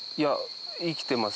生きてます